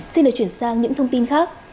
xin được chuyển sang những thông tin khác